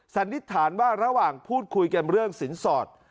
สันนิษฐานว่าระหว่างพูดคุยกันเรื่องสินสอด